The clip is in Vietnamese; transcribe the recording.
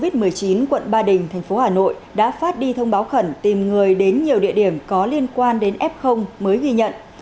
bàn chỉ đạo phòng chống dịch covid một mươi chín quận ba đình thành phố hà nội đã phát đi thông báo khẩn tìm người đến nhiều địa điểm có liên quan đến f mới ghi nhận